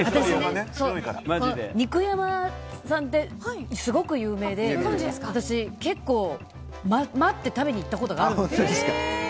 肉山さんってすごく有名で私、結構、待って食べに行ったことがあるんです。